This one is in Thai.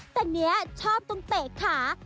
แต่เนี่ยชอบต้องเตะกัน